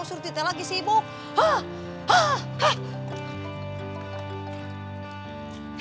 ini waktu yang mv amat dulu pak pork